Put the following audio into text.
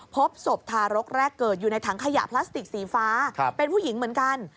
พบศพทารกแรกเกิดอยู่ในถังขยะพลาสติกสีฟ้าเป็นผู้หญิงเหมือนกัน